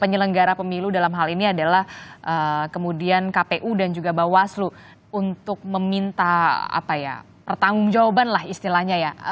penyelenggara pemilu dalam hal ini adalah kemudian kpu dan juga bawaslu untuk meminta pertanggung jawaban lah istilahnya ya